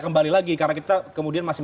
kembali lagi karena kita kemudian masih